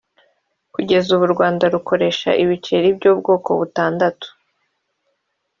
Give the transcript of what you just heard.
Kugeza ubu u Rwanda rukoresha ibiceli by’ubwoko butandatu